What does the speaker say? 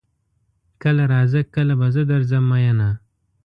کله راځه کله به زه درځم ميينه